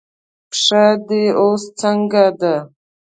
پښه دې اوس څنګه ده؟